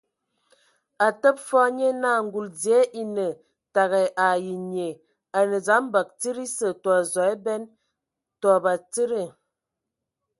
A təbə fɔɔ, nye naa ngul dzie e ne tego ai nnyie, a nǝ dzam bagǝ tsid ese, tɔ zog emen. Ndɔ batsidi.